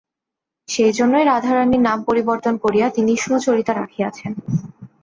সেইজন্যই রাধারানীর নাম পরিবর্তন করিয়া তিনি সুচরিতা রাখিয়াছেন।